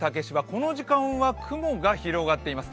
この時間は雲が広がっています。